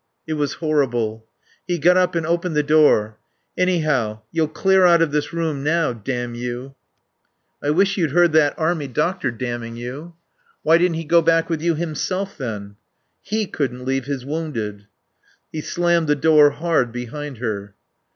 (It was horrible.) He got up and opened the door. "Anyhow, you'll clear out of this room now, damn you." "I wish you'd heard that Army doctor damning you." "Why didn't he go back with you himself, then?" "He couldn't leave his wounded." He slammed the door hard behind her.